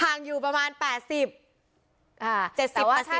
ห่างอยู่ประมาณ๘๐